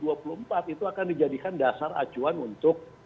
nah hasil pemilu dua ribu dua puluh empat itu akan dijadikan dasar acuan untuk